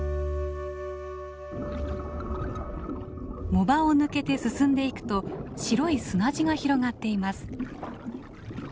藻場を抜けて進んでいくと白い砂地が広がっています。